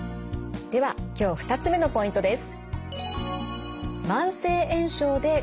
では今日２つ目のポイントです。